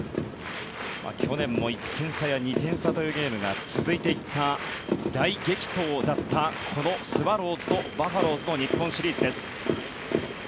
去年も１点差や２点差というゲームが続いていった大激闘だったこのスワローズとバファローズの日本シリーズです。